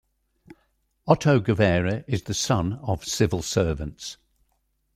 Otto Guevara is the son of civil servants.